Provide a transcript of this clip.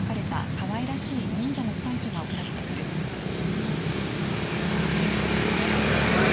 こんなスタンプ持ってたんか。